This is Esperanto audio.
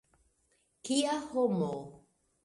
Kia homo!